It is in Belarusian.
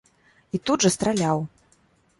І тут жа страляў.